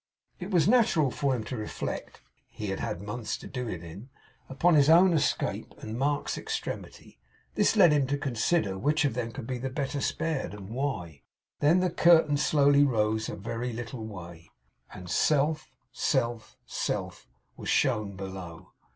It was natural for him to reflect he had months to do it in upon his own escape, and Mark's extremity. This led him to consider which of them could be the better spared, and why? Then the curtain slowly rose a very little way; and Self, Self, Self, was shown below.